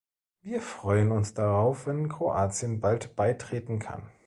Wir freuen uns darauf, wenn Kroatien bald beitreten kann.